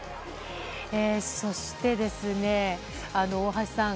そして、大橋さん